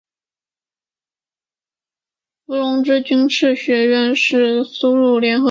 伏龙芝军事学院是苏联陆军培养中级指挥和参谋军官的军事院校。